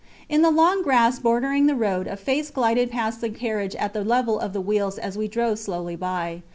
In the long grass bordering the road a face glided past the carriage at the level of the wheels as we drove slowly by.